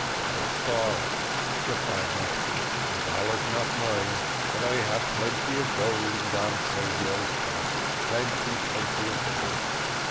"No, sar," replied Mesty, "the dollars not mine; but I hab plenty of gold in Don Silvio's purse plenty, plenty of gold.